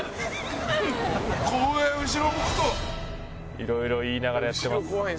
いろいろ言いながらやってます。